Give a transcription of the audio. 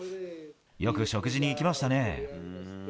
よく食事に行きましたね。